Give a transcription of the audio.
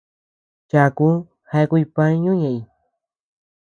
Chaku jeakuy pañu ñeʼeñ.